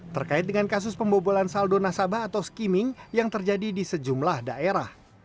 terkait dengan kasus pembobolan saldo nasabah atau skimming yang terjadi di sejumlah daerah